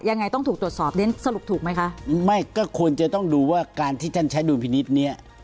ยังไงต้องถูกตรวจสอบเรียนสรุปถูกไหมคะไม่ก็ควรจะต้องดูว่าการที่ท่านใช้ดุลพินิษฐ์เนี้ย